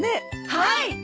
はい！